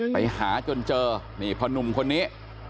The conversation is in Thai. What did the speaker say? ไปหาจนเจอนี่พ่อนุ่มคนนี้